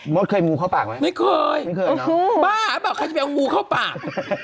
เคยงูเข้าปากไหมไม่เคยไม่เคยบ้าหรือเปล่าใครจะไปเอางูเข้าปาก